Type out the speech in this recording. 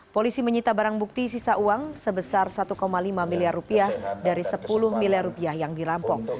polisi menyita barang bukti sisa uang sebesar satu lima miliar rupiah dari sepuluh miliar rupiah yang dirampok